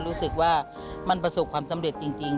รู้สึกว่ามันประสบความสำเร็จจริง